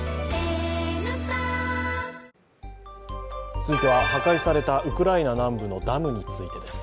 続いては、破壊されたウクライナ南部のダムについてです。